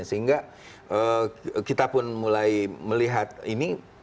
sehingga kita pun mulai melihat ini